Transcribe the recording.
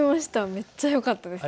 めっちゃよかったですよね。